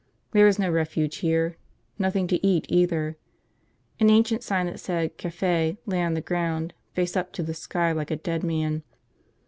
There was no refuge here. Nothing to eat, either. An ancient sign that said "Cafe" lay on the ground, face up to the sky like a dead man.